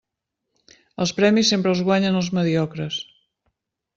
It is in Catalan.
Els premis sempre els guanyen els mediocres.